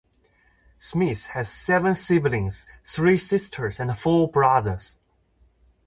Smith has seven siblings; three sisters and four brothers.